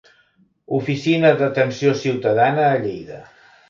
Oficina d'Atenció Ciutadana a Lleida.